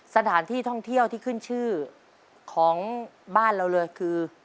สถานที่ท่องเที่ยวที่ขึ้นชื่อของบ้านเราเลยคือ